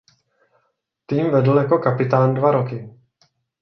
Tým vedl jako kapitán dva roky.